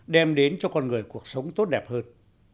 đem đến cho con người cuộc sống tốt đẹp hơn